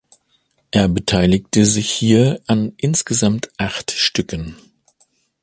Er beteiligte sich hier an insgesamt acht Stücken.